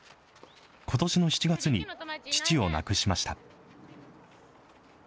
ことしの７月に父を亡くしました。